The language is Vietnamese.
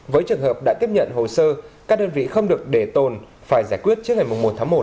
với trường hợp đã tiếp nhận hồ sơ các đơn vị không được để tồn phải giải quyết trước ngày một tháng một